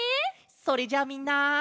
それじゃあみんな。